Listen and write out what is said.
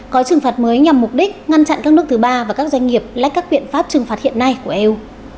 có trừng phạt mới nhằm mục đích ngăn chặn các nước thứ ba và các doanh nghiệp lách các biện pháp trừng phạt hiện nay của eu